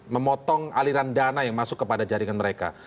memotong aliran dana yang masuk kepada jaringan mereka